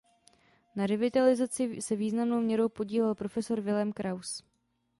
Na revitalizaci se významnou měrou podílel profesor Vilém Kraus.